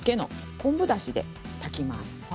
昆布だしで炊きます。